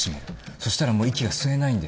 そしたらもう息が吸えないんです。